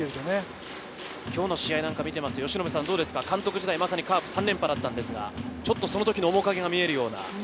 今日の試合を見ていますと監督時代、まさにカープ３連覇だったんですが、その時の面影が見えるような。